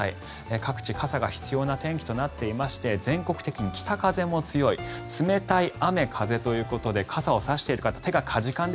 各地、傘が必要な天気となっていまして全国的に北風も強い冷たい雨風ということで傘を差している方手がかじかんで。